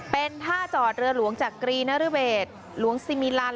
เป็นท่าจอดเรือหลวงจักรีนรเวทหลวงซิมิลัน